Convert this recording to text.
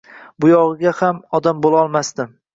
Buyog’iga ham odam bo’lolmasdim.